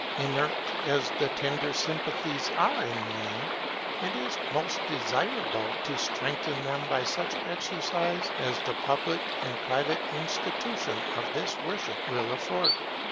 Inert as the tender sympathies are in Man, it is most desirable to strengthen them by such exercise as the public and private institution of this worship will afford.